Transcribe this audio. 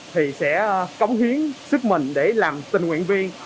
thì sẽ cống hiến sức mình để làm tình nguyện viên